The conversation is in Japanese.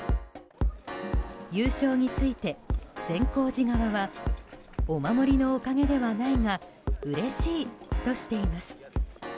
優勝について善光寺側はお守りのおかげではないがうれしいとしています。